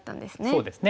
そうですね。